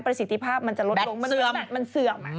ประสิทธิภาพมันจะลดลงแบตเสื่อม